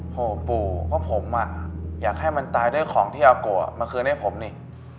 โหปู่เพราะผมอยากให้มันตายด้วยของที่อาโกะมาคืนให้ผมนี่